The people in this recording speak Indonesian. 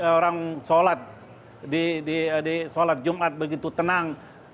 orang sholat di sholat jumat begitu tenang